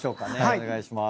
お願いします。